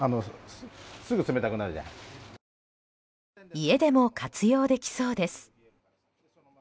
家でも活用できそうです。